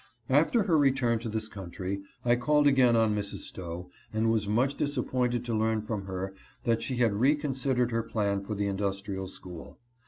After her return to this country I called again on Mrs. Stowe, and was much disappointed to learn from her that she had reconsidered her plan for the industrial school.